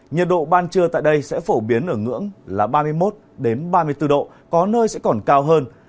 nước mưa tại đây sẽ phổ biến ở ngưỡng là ba mươi một ba mươi bốn độ có nơi sẽ còn cao hơn